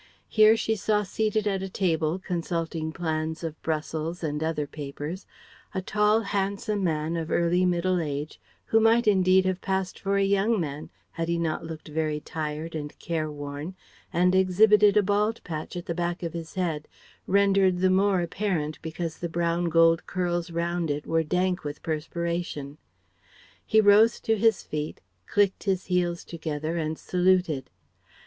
Here she saw seated at a table consulting plans of Brussels and other papers a tall, handsome man of early middle age, who might indeed have passed for a young man, had he not looked very tired and care worn and exhibited a bald patch at the back of his head, rendered the more apparent because the brown gold curls round it were dank with perspiration. He rose to his feet, clicked his heels together and saluted.